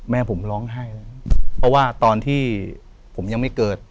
แม่ผมร้องไห้เลยเพราะว่าตอนที่ผมยังไม่เกิด